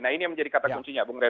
nah ini yang menjadi kata kuncinya